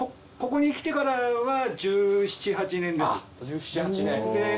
ここに来てからは１７１８年です。で”